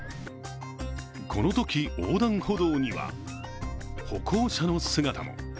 このとき横断歩道には歩行者の姿も。